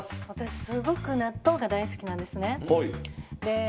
私、すごく納豆が大好きなんですね。